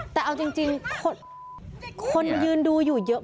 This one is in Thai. แต่เอาจริงคนยืนดูอยู่เยอะ